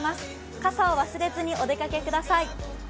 傘を忘れずにお出かけください。